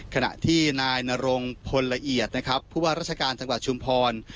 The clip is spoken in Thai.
ขณะที่นายนรงพลละเอียดนะครับผู้ว่าราชการจังหวัดชุมพร